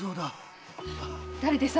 誰です？